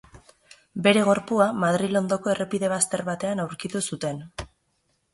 Bere gorpua Madril ondoko errepide bazter batean aurkitu zuten.